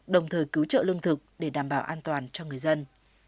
đồng thời cứu trợ lương thực để đảm bảo an toàn cho người dân